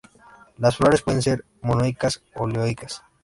Las flores pueden ser monoicas o dioicas.